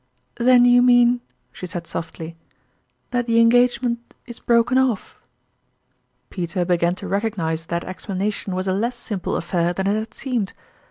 " Then you mean," she said softly, " that the engagement is broken off ?" Peter began to recognize that explanation was a less simple affair than it had seemed.